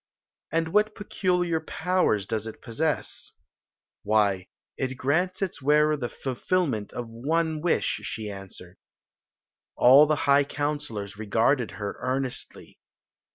"And what peculiar powers does it posfcss? "Why, it grants its wem ^ feiHttment of mt wish," she aiswered. AM the high counsders regarded her earnestly.